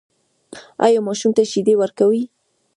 ایا ماشوم ته شیدې ورکوئ؟